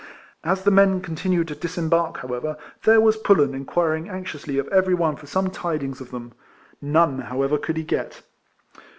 As the men continued to disembark, how ever, there was Pullen inquiring anxiously of every one for some tidings of them. Kone, however, could he get.